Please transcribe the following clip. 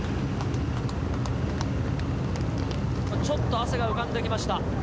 ちょっと汗が浮かんで来ました。